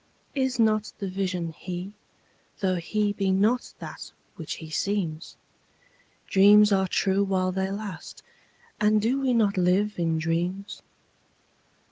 Is not the Vision He? tho' He be not that which He seems? Dreams are true while they last, and do we not live in dreams?